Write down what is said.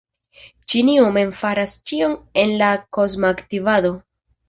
Ĉinio mem faras ĉion en la kosma aktivado.